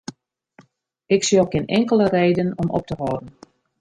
Ik sjoch gjin inkelde reden om op te hâlden.